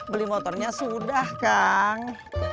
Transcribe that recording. beli motornya sudah kang